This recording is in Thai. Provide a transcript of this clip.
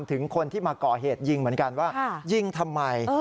ถึงคนที่มาก่อเหตุยิงเหมือนกันว่ายิงทำไม